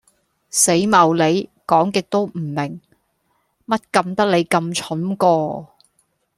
死茂里，講極都唔明，乜甘得你甘蠢噶